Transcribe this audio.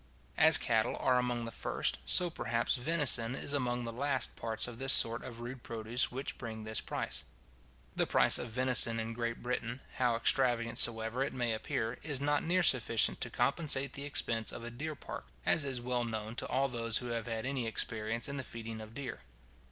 As cattle are among the first, so perhaps venison is among the last parts of this sort of rude produce which bring this price. The price of venison in Great Britain, how extravagant soever it may appear, is not near sufficient to compensate the expense of a deer park, as is well known to all those who have had any experience in the feeding of deer.